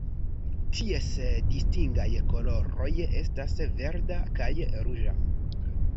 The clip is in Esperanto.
Ties distingaj koloroj estas verda kaj ruĝa.